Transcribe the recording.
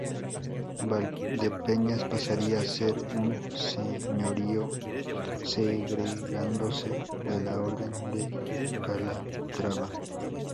Valdepeñas pasaría a ser un señorío segregándose de la Orden de Calatrava.